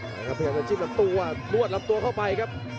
พยายามจะจิ้มลำตัวนวดลำตัวเข้าไปครับ